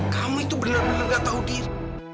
kamu itu benar benar gak tahu diri